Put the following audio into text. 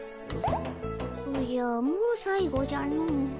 おじゃもう最後じゃの。